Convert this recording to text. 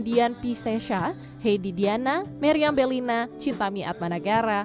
dian piscesa heidi diana maryam bellina cintami atmanagara